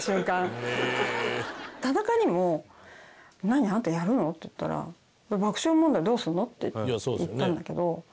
田中にも「何？あんたやるの？」って言ったら「爆笑問題どうするの？」って言ったんだけど。